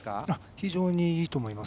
非常にいいと思います。